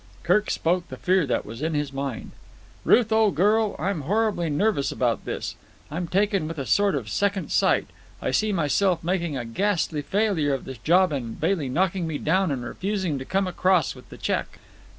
Kirk spoke the fear that was in his mind. "Ruth, old girl, I'm horribly nervous about this. I am taken with a sort of second sight. I see myself making a ghastly failure of this job and Bailey knocking me down and refusing to come across with the cheque."